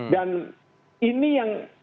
dan ini yang